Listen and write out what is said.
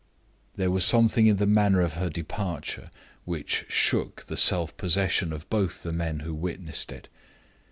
There was something in the manner of her departure which shook the self possession of both the men who witnessed it.